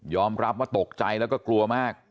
รับว่าตกใจแล้วก็กลัวมาก